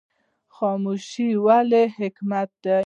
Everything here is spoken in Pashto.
خاموشي ولې حکمت دی؟